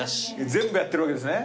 全部やってるわけですね。